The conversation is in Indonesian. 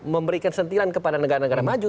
memberikan sentilan kepada negara negara maju